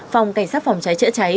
phòng cảnh sát phòng trái trễ trái